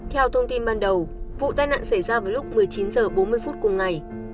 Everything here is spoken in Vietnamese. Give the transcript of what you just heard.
theo thông tin ban đầu vụ tai nạn xảy ra vào lúc một mươi chín h bốn mươi phút cùng ngày